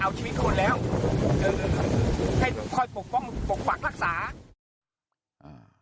เราก็จะมาขอให้ท่านไม่ต้องไปเอาชีวิตคนแล้วเออให้คอยปกป้องปกปากรักษา